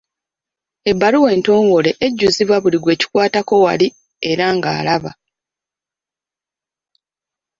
Ebbaluwa entongole ejjuzibwa buli gwekikwatako waali era nga alaba.